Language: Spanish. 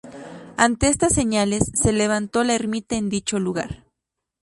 Ante estas señales, se levantó la ermita en dicho lugar.